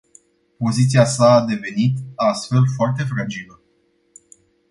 Poziția sa a devenit, astfel, foarte fragilă.